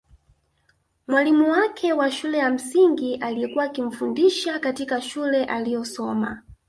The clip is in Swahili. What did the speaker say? Mwalimu wake wa shule ya msingi aliyekuwa akimfundisha katika shule aliyosoma